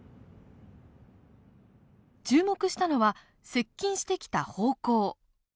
注目したのは接近してきた方向。